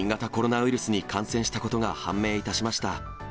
新型コロナウイルスに感染したことが判明いたしました。